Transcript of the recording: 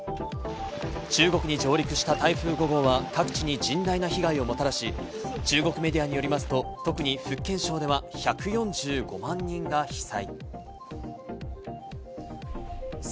中国に上陸した台風５号は各地に甚大な被害をもたらし、中国メディアによりますと、特に福建省では１４５万人が被災。